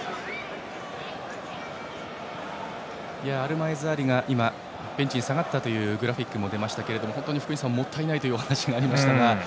アルマエズ・アリがベンチに下がったというグラフィックも出ましたが福西さんもったいないというお話がありましたが。